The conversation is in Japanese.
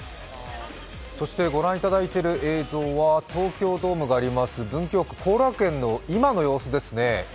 ご覧いただいている映像は東京ドームがあります、文京区後楽園の今の様子ですね。